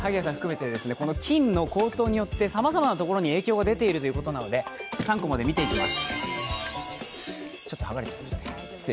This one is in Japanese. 金の高騰によってさまざまなところに影響が出ているので３コマで見ていきます。